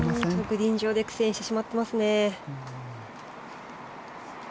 グリーン上で苦戦してしまっていますね。